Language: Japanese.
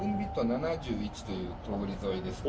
７１という通り沿いですね。